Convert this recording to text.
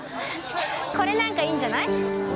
これなんかいいんじゃない？